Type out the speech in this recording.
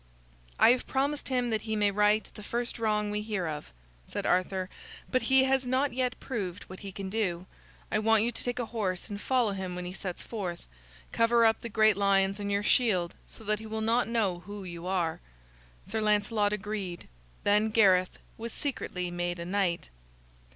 "I have promised him that he may right the first wrong we hear of," said Arthur, "but as he has not yet proved what he can do, I want you to take a horse and follow him when he sets forth. Cover up the great lions on your shield so that he will not know who you are." Sir Lancelot agreed. Then Gareth was secretly made a knight.